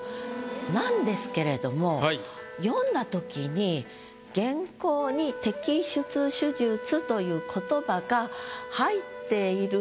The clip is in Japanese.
なんですけれども読んだときにという言葉が入っている。